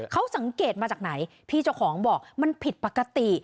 เขาสังเกตมาจากไหนพี่เจ้าของบอกมันผิดปกติ